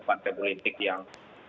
partai politik yang